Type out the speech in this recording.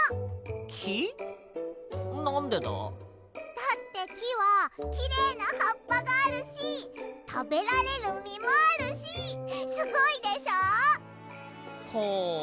だってきはきれいなはっぱがあるしたべられるみもあるしすごいでしょ？はあ。